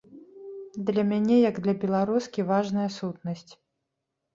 Для мяне, як для беларускі, важная сутнасць.